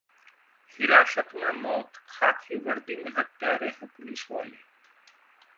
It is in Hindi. हिरासत में मौत: खाकी वर्दी में हत्यारे हैं पुलिस वाले